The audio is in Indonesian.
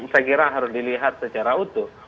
saya kira harus dilihat secara utuh